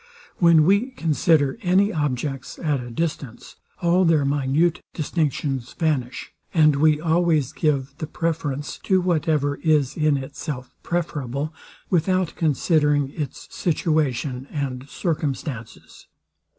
When we consider any objects at a distance, all their minute distinctions vanish, and we always give the preference to whatever is in itself preferable, without considering its situation and circumstances.